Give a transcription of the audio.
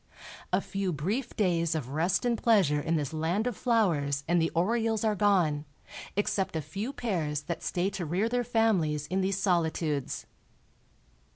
A few brief days of rest and pleasure in this land of flowers and the orioles are gone, except a few pairs that stay to rear their families in these solitudes.